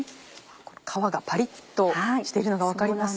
皮がパリっとしているのが分かります。